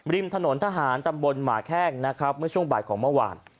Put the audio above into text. ริมถนนทหารตำบลหมาแข้งนะครับเมื่อช่วงบ่ายของเมื่อวาน